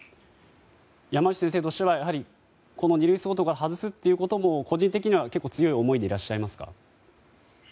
山内先生としては二類相当から外すということも個人的には結構強い思いでいらっしゃいますか？